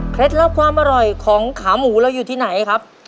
ลับความอร่อยของขาหมูเราอยู่ที่ไหนครับ